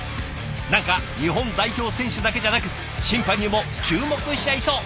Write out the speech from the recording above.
何か日本代表選手だけじゃなく審判にも注目しちゃいそう。